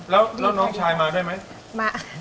แล้วน้องชายมาด้วยไหม